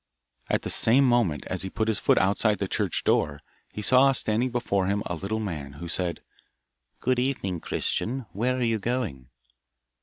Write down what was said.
At the same moment as he put his foot outside the church door, he saw standing before him a little man, who said, 'Good evening, Christian, where are you going?